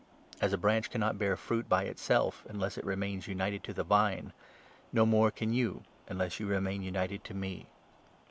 As a branch cannot bear fruit by itself, unless it remains united to the vine ; no more can you, unless you remain united to me.